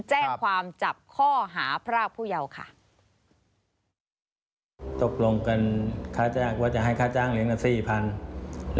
แจ้งความจับข้อหาพระพุยาวค่ะ